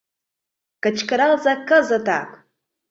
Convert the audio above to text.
Кычкыралза кызытак!